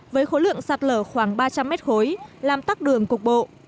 với khối lượng sạt lở khoảng ba trăm linh m khối làm tắt đường cuộc bộ